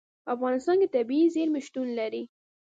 په افغانستان کې طبیعي زیرمې شتون لري.